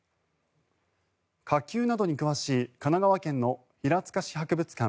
火球などに詳しい神奈川県の平塚市博物館